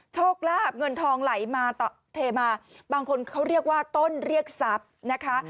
โชคลาบเงินทองไหลมาเทมาบางคนเขาเรียกว่าต้นเรียกทรัพย์นะคะ